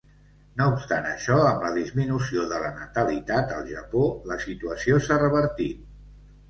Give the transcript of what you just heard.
No obstant això, amb la disminució de la natalitat al Japó, la situació s'ha revertit.